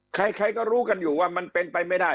ใครก็รู้กันอยู่ว่ามันเป็นไปไม่ได้